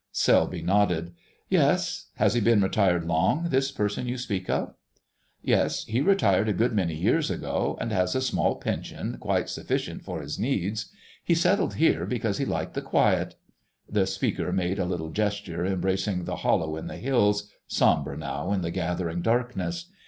Selby nodded. "Yes. Has he been retired long, this person you speak of?" "Yes, he retired a good many years ago, and has a small pension quite sufficient for his needs. He settled here because he liked the quiet——" The speaker made a little gesture, embracing the hollow in the hills, sombre now in the gathering darkness.